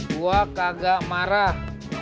gue kagak marah